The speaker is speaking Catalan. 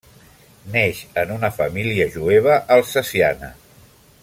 Neix en una família jueva alsaciana.